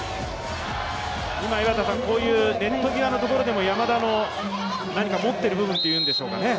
今、こういうネット際のところでも山田のもっている部分というんでしょうかね？